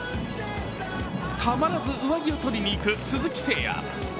たまらず上着を取りに行く鈴木誠也。